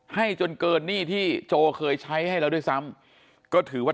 ให้จนเกินหนี้ที่โจเคยใช้ให้แล้วด้วยซ้ำ